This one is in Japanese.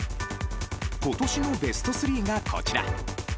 今年のベスト３が、こちら。